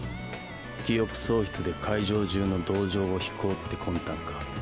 記憶喪失で会場中の同情を引こうって魂胆か。